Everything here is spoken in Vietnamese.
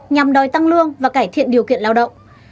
nhằm đòi tăng lương và cải thiện điều kiện lao động